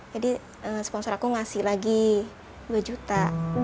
jadi sponsor aku ngasih lagi dua juta